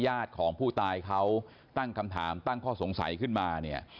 ญาติของผู้ตายเขาตั้งคำถามตั้งข้อสงสัยขึ้นมาเนี่ย